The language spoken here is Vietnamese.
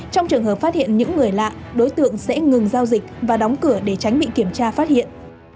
trong trường hợp phát hiện những người lạ đối tượng sẽ ngừng giao dịch và đóng cửa để tránh bị kiểm tra phát hiện